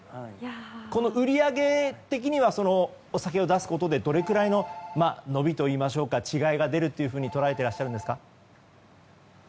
売り上げ的にはお酒を出すことでどれくらいの伸びといいますか違いが出ると捉えてらっしゃいますか？